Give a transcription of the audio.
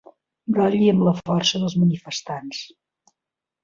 Brolli amb la força dels manifestants.